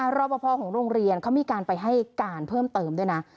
รอปภของโรงเรียนเขามีการไปให้การเพิ่มเติมด้วยนะ